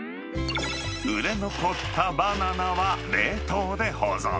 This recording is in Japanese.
売れ残ったバナナは冷凍で保存。